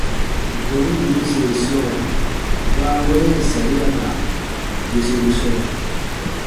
Bɔnu yiruse sɔɔ baaweren sariaba bweseru sɔɔ.